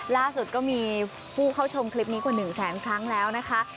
ล่าสุดก็มีผู้เข้าชมคลิปนี้กว่า๑แสนครั้งแล้วนะคะ